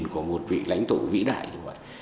của một vị lãnh thổ vĩ đại